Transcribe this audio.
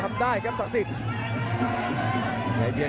ขวางแขงขวาเจอเททิ้ง